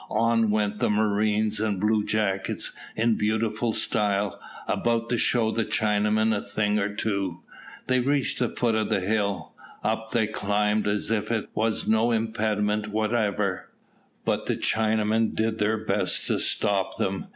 On went the marines and bluejackets in beautiful style, about to show the Chinamen a thing or two. They reached the foot of the hill. Up they climbed, as if it was no impediment whatever; but the Chinamen did their best to stop them.